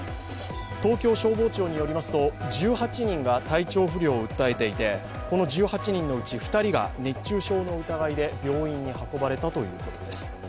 東京消防庁によりますと１８人が体調不良を訴えていてこの１８人のうち２人が熱中症の疑いで病院に運ばれたということです。